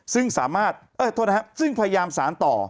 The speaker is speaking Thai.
ซึ่งสามารถโทษนะครับซึ่งพยายามสารต่อ